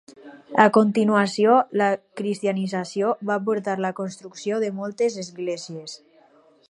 A continuació, la cristianització va portar la construcció de moltes esglésies.